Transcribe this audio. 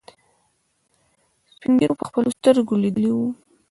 سپينږيرو په خپلو سترګو ليدلي وو.